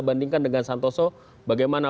bandingkan dengan santoso bagaimana